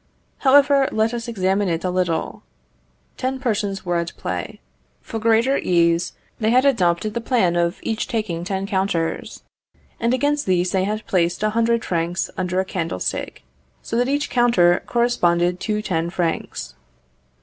However, let us examine it a little. Ten persons were at play. For greater ease, they had adopted the plan of each taking ten counters, and against these they had placed a hundred francs under a candlestick, so that each counter corresponded to ten francs.